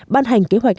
ban hành kế hoạch